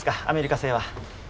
アメリカ製は。